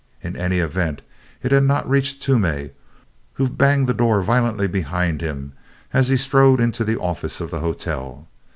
In any event, it had not reached Toomey, who banged the door violently behind him as he strode into the office of the hotel.